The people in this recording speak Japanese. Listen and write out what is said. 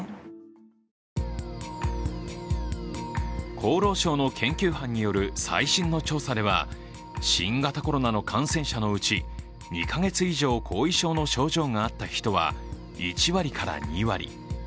厚労省の研究班による最新の調査では新型コロナの感染者のうち２か月以上後遺症の症状があった人は１割から２割。